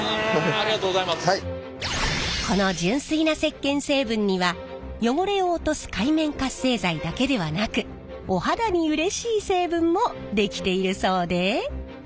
この純粋な石けん成分には汚れを落とす界面活性剤だけではなくお肌にうれしい成分もできているそうで。